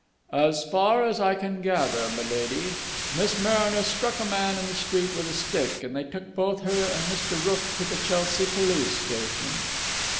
"As far as I can gather, m'lady, Miss Mariner struck a man in the street with a stick, and they took both her and Mr. Rooke to the Chelsea Police Station."